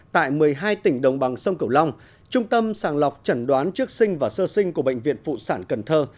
tại một mươi hai tỉnh đồng bằng sông cửu long trung tâm sàng lọc trần đoán trước sinh và sơ sinh của bệnh viện phụ sản cần thơ